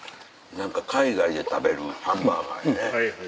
何か海外で食べるハンバーガーでね。